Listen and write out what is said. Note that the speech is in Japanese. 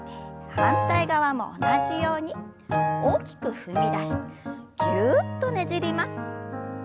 反対側も同じように大きく踏み出してぎゅっとねじります。